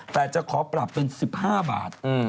แต่จะขอปรับเป็น๑๕บาท